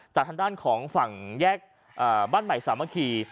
จากทางด้านของฝั่งแยกบ้านใหม่สามัคคี